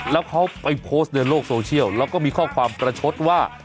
แล้วเขาไปโพสต์ในโลกโซเชียลแล้วก็มีข้อความประชดว่า